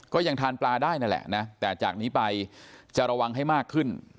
ก็ยังทานปลาได้นั่นแหละนะแต่จากนี้ไปจะระวังให้มากขึ้น